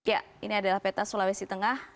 ya ini adalah peta sulawesi tengah